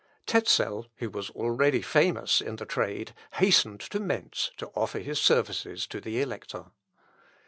Tezel, who was already famous in the trade, hastened to Mentz to offer his services to the Elector.